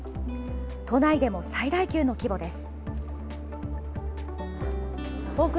都内でも最大級の規模です。